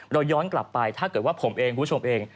ย้อนกลับไปถ้าเกิดว่าผมเองคุณผู้ชมเอง